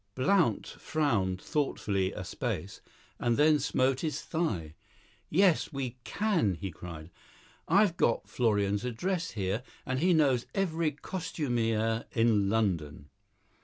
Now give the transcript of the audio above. Blount frowned thoughtfully a space, and then smote his thigh. "Yes, we can!" he cried. "I've got Florian's address here, and he knows every costumier in London.